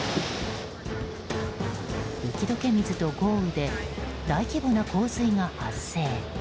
雪解け水と豪雨で大規模な洪水が発生。